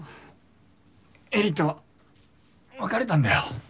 絵里とは別れたんだよ。